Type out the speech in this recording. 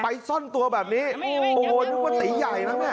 ใครซ่อนตัวแบบนี้โอ้โหนึกว่าเต๋ยใหญ่เว้ย